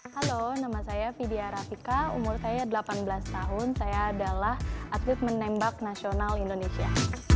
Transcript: halo nama saya vidya rafika umur saya delapan belas tahun saya adalah atlet menembak nasional indonesia